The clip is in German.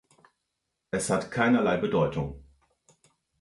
Es hat keinerlei Bedeutung.